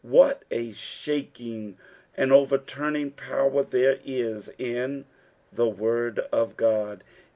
What a shaking and overturning power there is in the word of Qod